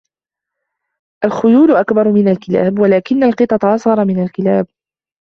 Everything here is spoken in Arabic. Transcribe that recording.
الخيول أكبر من الكلاب ، ولكن القطط أصغر من الكلاب.